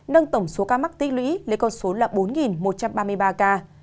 nâng tổng số ca mắc tí lũy lấy con số là bốn một trăm ba mươi ba ca